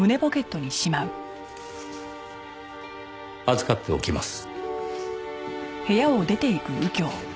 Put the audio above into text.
預かっておきます。